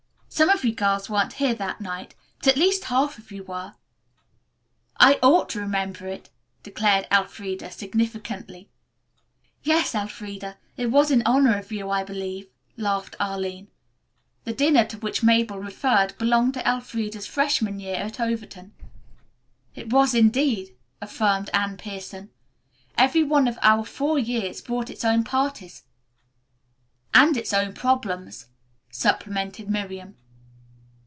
"Some of you girls weren't here that night, but at least half of you were." "I ought to remember it," declared Elfreda significantly. "Yes, Elfreda, it was in honor of you, I believe," laughed Arline. The dinner to which Mabel referred belonged to Elfreda's freshman year at Overton. "It was indeed," affirmed Anne Pierson. "Every one of our four years brought its own parties." "And its own problems," supplemented Miriam.